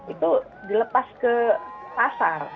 itu dilepas ke pasar